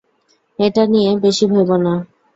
এটা নিয়ে বেশি ভেবো না।